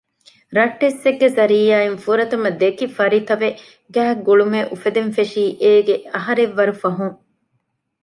ރައްޓެއްސެއްގެ ޒަރީޢާއިން ފުރަތަމަ ދެކިފަރިތަވެ ގާތް ގުޅުމެއް އުފެދެން ފެށީ އޭގެ އަހަރެއް ވަރު ފަހުން